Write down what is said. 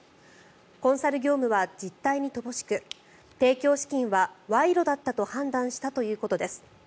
コンサル業務は実態に乏しく提供資金は賄賂だったと判断したということです。